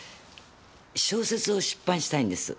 小説を出版したいんです。